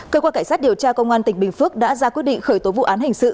cơ quan cảnh sát điều tra công an tỉnh bình phước đã ra quyết định khởi tố vụ án hình sự